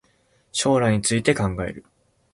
将来について考える